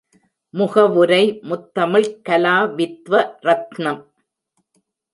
முகவுரை முத்தமிழ்க் கலா வித்வ ரத்னம்.